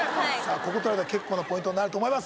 こことられたら結構なポイントになると思います